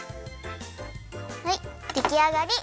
はいできあがり。